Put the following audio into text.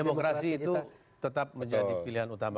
demokrasi itu tetap menjadi pilihan utama